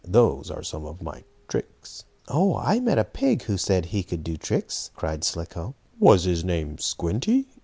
Those are some of my tricks." "Oh, I met a pig who said he could do tricks!" cried Slicko. "Was his name Squinty?"